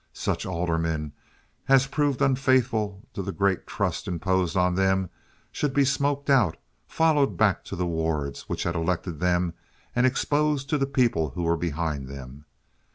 Such aldermen as proved unfaithful to the great trust imposed on them should be smoked out, followed back to the wards which had elected them, and exposed to the people who were behind them.